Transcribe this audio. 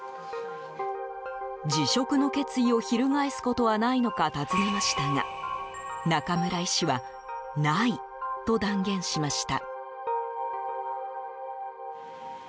辞職の決意を翻すことはないのか尋ねましたが中村医師はないと断言しました。